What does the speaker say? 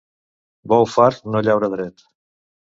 Bou fart no llaura dret.